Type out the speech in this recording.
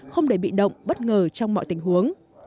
không để bị động bất ngờ trong mọi tình huống